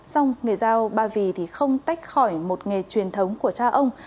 xong người giao ba vì thì không tách khỏi một nghề truyền thống của cha ông